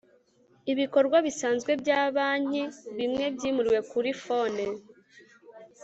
Ibikorwa bisanzwe bya banki bimwe byimuriwe kuri Phone